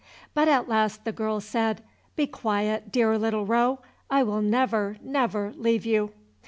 But at last the girl said, "Be quiet, dear little roe, I will never, never leave you."